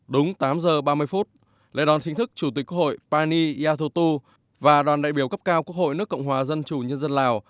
đúng tám giờ ba mươi phút lễ đón chính thức chủ tịch quốc hội pani yathotu và đoàn đại biểu cấp cao quốc hội nước cộng hòa dân chủ nhân dân lào